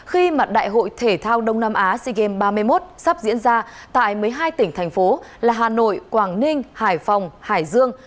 khi mà đại hội thể thao đông nam á sea games ba mươi một sắp diễn ra tại một mươi hai tỉnh thành phố là hà nội quảng ninh hải phòng hải dương